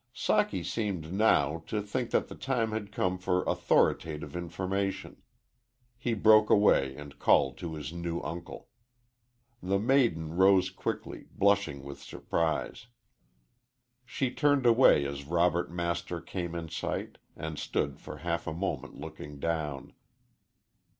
Socky seemed now to think that the time had come for authoritative information. He broke away and called to his new uncle. The maiden rose quickly, blushing with surprise. She turned away as Robert Master came in sight, and stood for half a moment looking down.